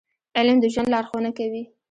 • علم د ژوند لارښوونه کوي.